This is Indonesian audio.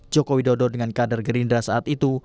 jokowi dodo dengan kader gerindra saat itu